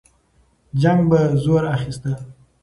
جنګ به زور اخیسته.